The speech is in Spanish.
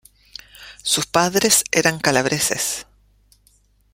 Sus padres eran calabreses.